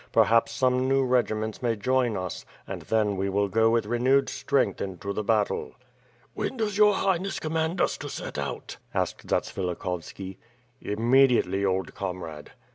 Perhaps some new regiments may join us, and then we will go with renewed strength into the battle." "When does your Highness command us to set out?" asked Zatsvilikhovski. "Immediately, old comrade!"